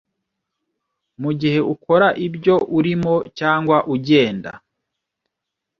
mugihe ukora ibyo urimo, cyangwa ugenda.